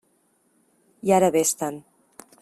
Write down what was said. I ara vés-te'n.